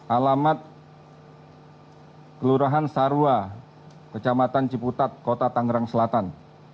alamat kelurahan sarwa kecamatan ciputat kota tangerang selatan